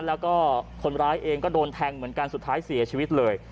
แล้วก็คนร้ายเองก็โดนแทงเหมือนกันสุดท้ายเสียชีวิตเลย